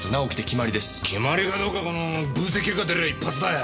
決まりかどうかこの分析結果出りゃ一発だよ。